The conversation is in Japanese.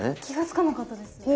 気が付かなかったです。